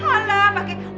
alah pak ayu